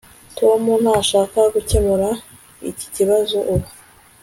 tom ntashaka gukemura iki kibazo ubu